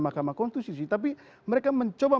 mahkamah konstitusi tapi mereka mencoba